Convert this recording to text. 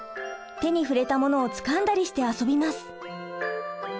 手に触れたものをつかんだりして遊びます。